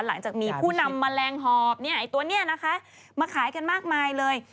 หลังจากมีผู้นำแมลงหอบตัวนี้นะคะมาขายกันมากมายเลย